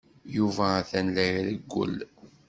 Yuba atan la irewwel.